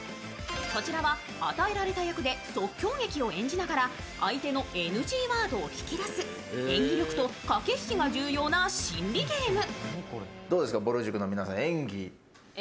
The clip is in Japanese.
こちらは与えられた役で即興劇を演じながら相手のＮＧワードを引き出す演技力と駆け引きが重要な心理ゲーム。